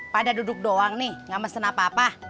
pada duduk doang nih gak mesen apa apa